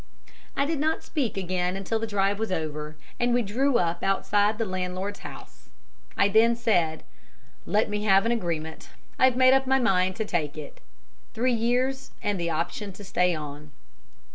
I did not speak again till the drive was over, and we drew up outside the landlord's house. I then said, "Let me have an agreement. I've made up my mind to take it. Three years and the option to stay on."